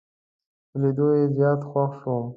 په لیدو یې زیات خوښ شوم.